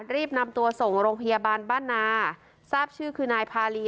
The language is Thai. รีบนำตัวส่งโรงพยาบาลบ้านนาทราบชื่อคือนายพาลี